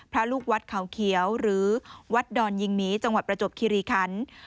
ลูกวัดเขาเขียวหรือวัดดอนยิงหมีจังหวัดประจบคิริคัน